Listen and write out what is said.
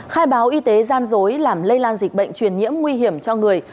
khai báo y tế gian dối làm lây lan dịch bệnh truyền nhiễm nguy hiểm cho người